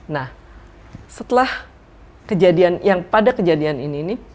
nah setelah kejadian yang pada kejadian ini ini